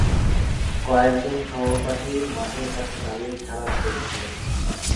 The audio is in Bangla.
কয়েকজন সহপাঠী মাঠের পাশে দাঁড়িয়ে খেলা দেখছিল।